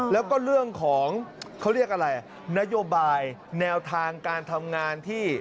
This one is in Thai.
แล้วก็เรื่องของเขาเรียกอะไรนโยบายแนวทางการทำงานที่